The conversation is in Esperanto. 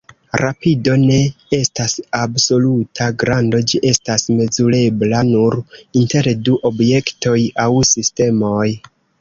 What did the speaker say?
Rapido ne estas absoluta grando; ĝi estas mezurebla nur inter du objektoj aŭ sistemoj.